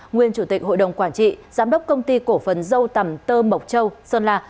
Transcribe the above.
nguyên chủ tịch hội đồng quản trị giám đốc công ty cổ phần dâu tầm tơ mộc châu sơn la